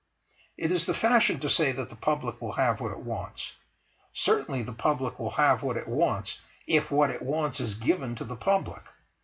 It is the fashion to say that the public will have what it wants. Certainly the Public will have what it wants if what it wants is given to the Public.